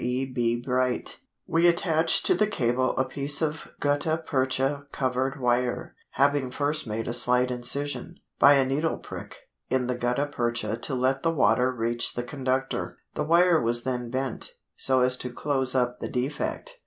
B. Bright: We attached to the cable a piece of gutta percha covered wire, having first made a slight incision, by a needle prick, in the gutta percha to let the water reach the conductor. The wire was then bent, so as to close up the defect.